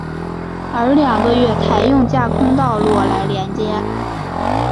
而两个月台用架空道路来连接。